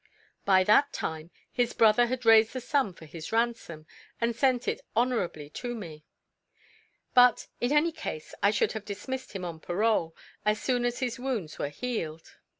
By that time, his brother had raised the sum for his ransom, and sent it honourably to me. But, in any case, I should have dismissed him on parole, as soon as his wounds were healed.